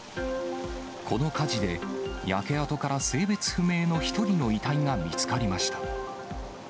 この火事で、焼け跡から性別不明の１人の遺体が見つかりました。